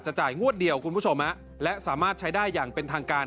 จ่ายงวดเดียวคุณผู้ชมและสามารถใช้ได้อย่างเป็นทางการ